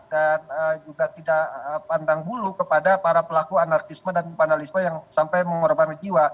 dan juga tidak pandang bulu kepada para pelaku anarkisme dan panalisme yang sampai mengorban di jiwa